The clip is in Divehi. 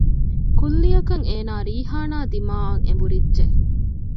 ކުއްލިއަކަށް އޭނާ ރީޙާނާ ދިމާއަށް އެނބުރިއްޖެ